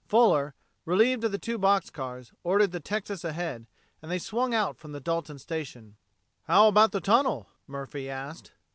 Fuller, relieved of the two box cars, ordered the Texas ahead, and they swung out from the Dalton station. "How about the tunnel?" Murphy asked.